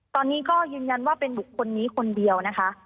ตอนนี้ก็ยืนยันว่าเป็นบุคคลนี้คนเดียวนะคะ